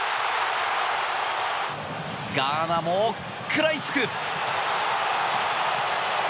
ガーナも食らいつく。